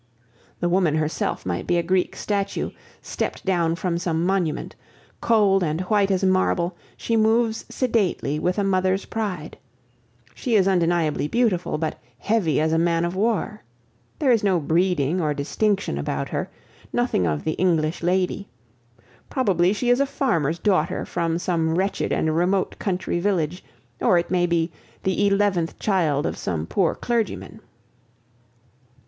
The woman herself might be a Greek statue, stepped down from some monument. Cold and white as marble, she moves sedately with a mother's pride. She is undeniably beautiful but heavy as a man of war. There is no breeding or distinction about her; nothing of the English lady. Probably she is a farmer's daughter from some wretched and remote country village, or, it may be, the eleventh child of some poor clergyman!